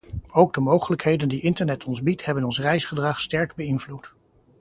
Ook de mogelijkheden die internet ons biedt hebben ons reisgedrag sterk beïnvloed.